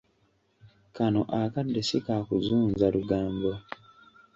Kano akadde si kakuzunza lugambo.